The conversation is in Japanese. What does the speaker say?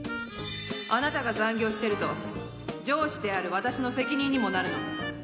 あなたが残業してると上司である私の責任にもなるの。